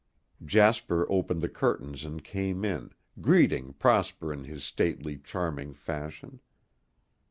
Jasper opened the curtains and came in, greeting Prosper in his stately, charming fashion.